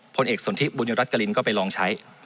ผลเอกสนทิบุญรัฐกรินก็ไปลองใช้